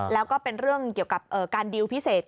แล้วก็เป็นเรื่องเกี่ยวกับการดีลพิเศษ